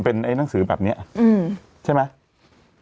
เป็นไอ้หนังสือแบบนี้ใช่ไหม